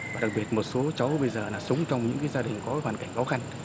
và đặc biệt một số cháu bây giờ là sống trong những gia đình có hoàn cảnh khó khăn